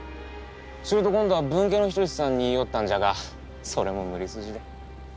すると今度は分家の一さんに言い寄ったんじゃがそれも無理筋で。